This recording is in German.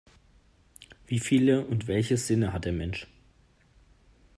Wie viele und welche Sinne hat der Mensch?